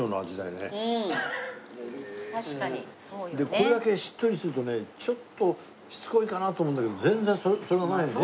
これだけしっとりしてるとねちょっとしつこいかなと思うんだけど全然それがないね。